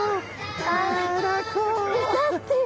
歌ってる。